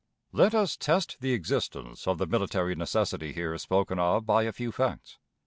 Let us test the existence of the military necessity here spoken of by a few facts.